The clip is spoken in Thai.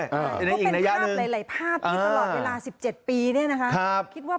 ก็เป็นภาพหลายภาพที่จะตลอดเวลา๑๗ปีนี่นะคะ